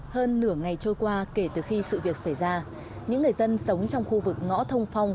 hơn nửa ngày trôi qua kể từ khi sự việc xảy ra những người dân sống trong khu vực ngõ thông phong